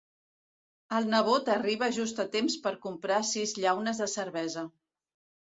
El nebot arriba just a temps per comprar sis llaunes de cervesa.